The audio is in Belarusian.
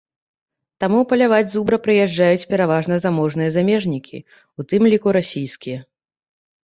Таму паляваць зубра прыязджаюць пераважна заможныя замежнікі, у тым ліку расійскія.